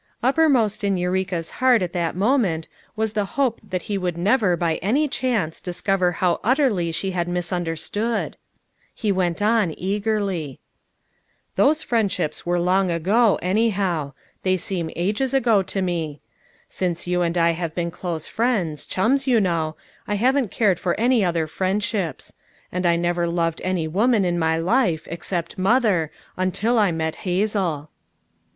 Uppermost in Eureka's heart at that moment was the hope that he would never by any chance discover how utterly she bad misunder stood. He went on eagerly: "Those friendships were long ago, anyhow; they seem ages ago to me ; since you and I have been close friends, chums, you know, I haven't cared for any other friendships; and I never loved any woman in my life except Mother, until I met Hazel."